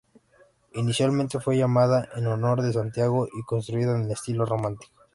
Inicialmente fue llamada en honor de Santiago y construida en el estilo románico.